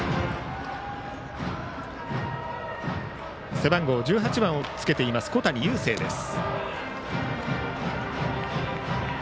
背番号１８番をつけている小谷優成です。